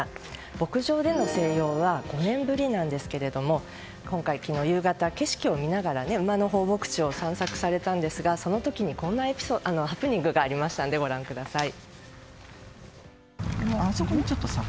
牧場での静養は５年ぶりなんですが景色を見ながら馬の放牧地を散策されたんですがその時にこんなハプニングがありましたのでご覧ください。